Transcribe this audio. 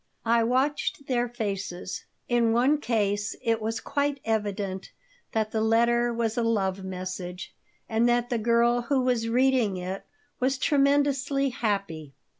I watched their faces. In one case it was quite evident that the letter was a love message, and that the girl who was reading it was tremendously happy.